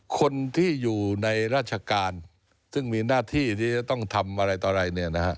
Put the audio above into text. คนที่อยู่ในราชการซึ่งมีหน้าที่ที่จะต้องทำอะไรต่ออะไรเนี่ยนะฮะ